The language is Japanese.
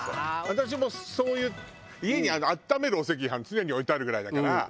私もそういう家に温めるお赤飯常に置いてあるぐらいだから。